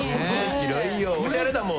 広いよおしゃれだもん。